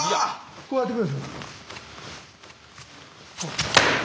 こうやってきて。